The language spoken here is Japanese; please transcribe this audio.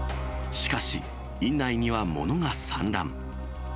しかし、院内には物が散乱。